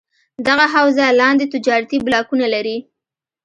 دغه حوزه لاندې تجارتي بلاکونه لري: